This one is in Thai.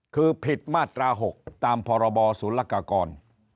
คือผิดมาตรา๖ตามพรบศูนย์ละกากร